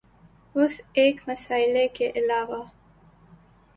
اس ایک مسئلے کے علاوہ